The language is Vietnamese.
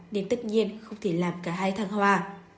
nên tất nhiên không thể làm cả hai thăng hoa